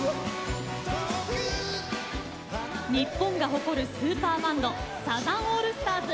日本が誇るスーパーバンドサザンオールスターズ。